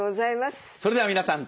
それでは皆さん